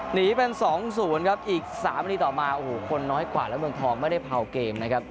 หนีเป็น๒๐ครับอีก๓นาทีต่อมาโอ้โหคนน้อยกว่าแล้วเมืองทองไม่ได้เผาเกมนะครับ